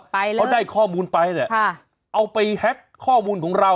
ไปแล้วเขาได้ข้อมูลไปเนี่ยเอาไปแฮ็กข้อมูลของเรา